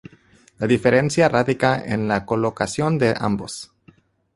La diferencia radica en la colocación de ambos.